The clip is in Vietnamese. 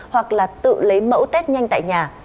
hoặc là tự lấy mẫu test nhanh tại nhà